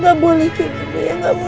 nanti kita berjalan